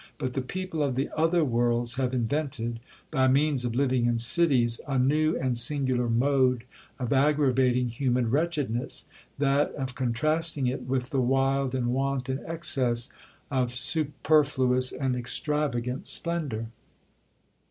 But the people of the other worlds have invented, by means of living in cities, a new and singular mode of aggravating human wretchedness—that of contrasting it with the wild and wanton excess of superfluous and extravagant splendour.'